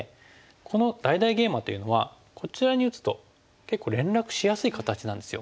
この大々ゲイマというのはこちらに打つと結構連絡しやすい形なんですよ。